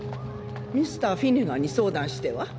ミスター・フィネガンに相談しては？